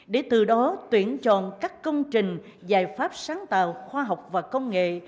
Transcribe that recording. để từ đó tuyển chọn các công trình giải pháp sáng tạo khoa học và công nghệ